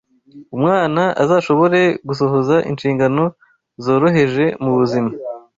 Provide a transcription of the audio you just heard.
[umwana] azashobore gusohoza inshingano zoroheje mu buzima